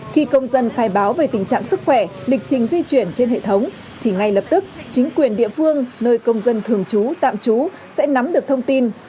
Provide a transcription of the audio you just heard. khi công dân khai báo về tình trạng sức khỏe lịch trình di chuyển trên hệ thống thì ngay lập tức chính quyền địa phương nơi công dân thường trú tạm trú sẽ nắm được thông tin